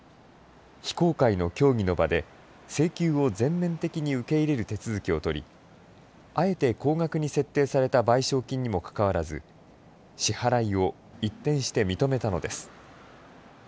非公開の協議の場で、請求を全面的に受け入れる手続きを取り、あえて高額に設定された賠償金にもかかわらず、支払いを一転して認めたのです。